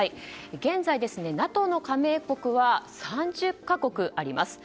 現在、ＮＡＴＯの加盟国は３０か国あります。